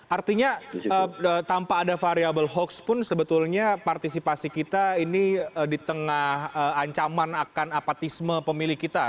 artinya tanpa ada variable hoax pun sebetulnya partisipasi kita ini di tengah ancaman akan apatisme pemilih kita